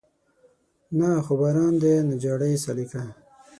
نه خو باران دی نه جړۍ سالکه